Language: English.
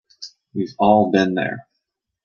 We've all been there.